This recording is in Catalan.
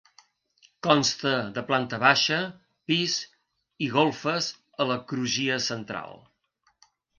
Consta de planta baixa, pis i golfes a la crugia central.